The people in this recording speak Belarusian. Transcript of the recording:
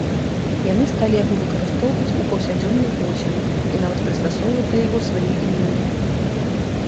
Яны сталі яго выкарыстоўваць у паўсядзённых зносінах і нават прыстасоўваць да яго свае імёны.